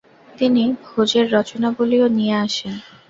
তিনি ভোজের রচনাবলিও নিয়ে আসেন।